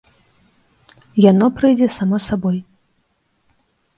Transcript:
Яно прыйдзе само сабой.